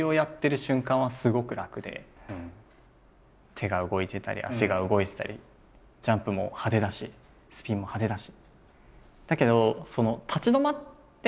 手が動いてたり足が動いてたりジャンプも派手だしスピンも派手だし。